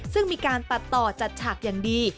ซึ่งมีการตัดต่อจัดฉากอย่างดี